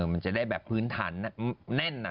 มันจะได้แบบพื้นฐานแน่น